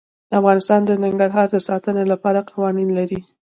افغانستان د ننګرهار د ساتنې لپاره قوانین لري.